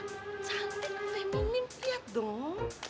apa cantik feminim liat dong